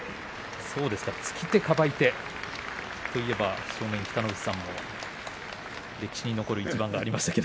突き手、かばい手、といえば北の富士さんも歴史に残る一番がありましたね。